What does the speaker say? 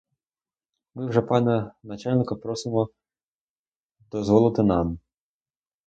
Ми вже пана начальника просимо дозволити нам.